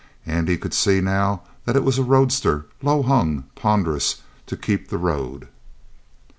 Andy could see now that it was a roadster, low hung, ponderous, to keep the road.